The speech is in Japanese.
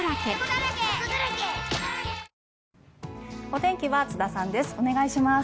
お天気は津田さんです。